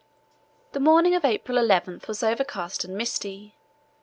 The morning of April 11 was overcast and misty.